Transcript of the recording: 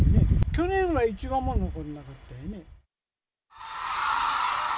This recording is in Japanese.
去年は１羽も残らなかったよね。